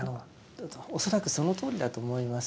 恐らくそのとおりだと思いますね。